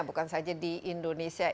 bukan saja di indonesia